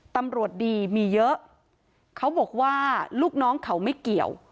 ตำรวจดีมีเยอะเขาบอกว่าลูกน้องเขาไม่เกี่ยว